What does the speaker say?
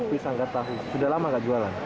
kopi sanggar tahu sudah lama tidak jualan